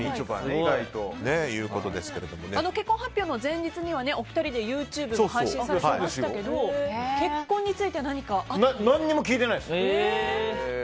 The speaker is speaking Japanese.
結婚発表の前日にはお二人でＹｏｕＴｕｂｅで配信されてましたけど結婚については何も聞いてないです。